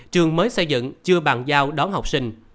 trường mới xây dựng chưa bàn giao đón học sinh